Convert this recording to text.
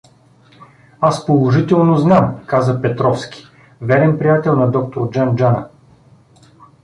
Аз положително знам — каза Петровски, верен приятел на доктор Джан-Джана.